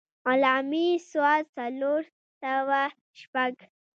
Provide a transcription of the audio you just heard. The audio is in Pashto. علّامي ص څلور سوه شپږ.